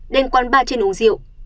đêm quán ba trên uống rượu